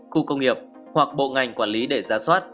khu công nghiệp hoặc bộ ngành quản lý để ra soát